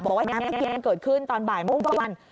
บอกว่าแม่งเกิดขึ้นตอนบ่ายโมงก็วัน